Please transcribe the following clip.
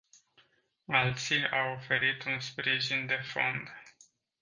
Ații au oferit un sprijin de fond.